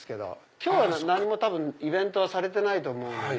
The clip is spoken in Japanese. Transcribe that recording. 今日何もイベントはされてないと思うので。